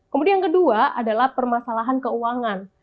kemudian kedua adalah permasalahan keuangan